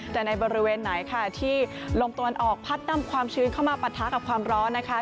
แต่ในบริเวณไหนค่ะที่ลมตะวันออกพัดนำความชื้นเข้ามาปะทะกับความร้อนนะคะ